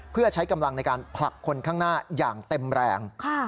เพื่อใช้กำลังในการผลักคนข้างหน้าอย่างเต็มแรง